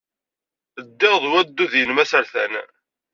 Ddiɣ ed waddud-nnem asertan.